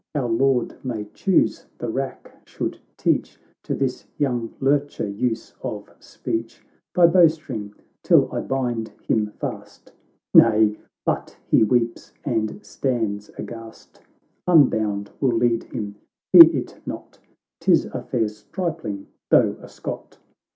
Our Lord may choose the rack should teach To this young lurcher use of speech. Thy bowstring, till I bind him fast." —" ]N ay, but he weeps and stands aghast ; Unbound we'll lead him, fear it not ; 'Tis a fair stripling, though a Scot."